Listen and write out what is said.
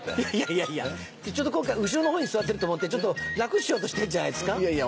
いやいやちょっと今回後ろのほうに座ってると思ってちょっと楽しようとしてるんじゃないですか？